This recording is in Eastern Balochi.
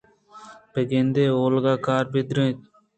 بہ گندے اولگا کار بہ داریت